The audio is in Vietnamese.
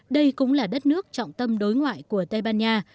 đây cũng là đất nước trọng tâm đối ngoại của tây ban nha